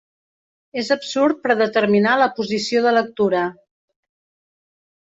És absurd predeterminar la posició de lectura.